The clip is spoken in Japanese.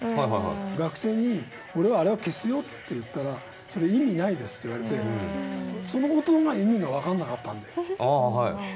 学生に「俺はあれは消すよ」って言ったら「それ意味ないです」って言われてその事が意味が分かんなかったんだけど。